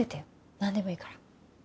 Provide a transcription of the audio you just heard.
何でもいいから。